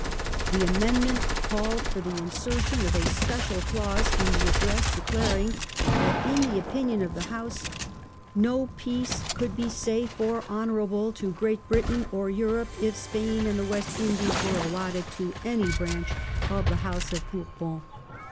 The amendment called for the insertion of a special clause in the Address declaring that, in the opinion of the House, 'no peace could be safe or honourable to Great Britain or Europe if Spain and the West Indies were allotted to any branch of the House of Bourbon.'